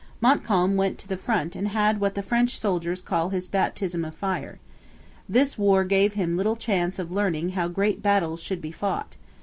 Montcalm went to the front and had what French soldiers call his 'baptism of fire.' This war gave him little chance of learning how great battles should be fought.